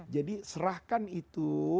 jadi serahkan itu